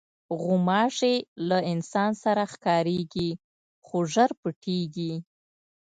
غوماشې له انسان سره ښکارېږي، خو ژر پټېږي.